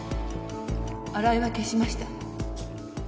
新井は消しました